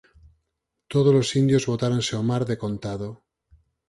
Tódolos indios botáronse ó mar decontado.